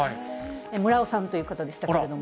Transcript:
むらおさんという方でしたけれども。